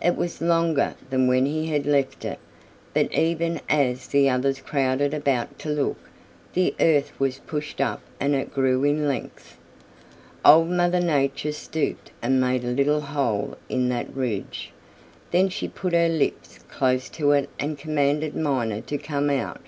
It was longer than when he had left it, but even as the others crowded about to look, the earth was pushed up and it grew in length. Old Mother Nature stooped and made a little hole in that ridge. Then she put her lips close to it and commanded Miner to come out.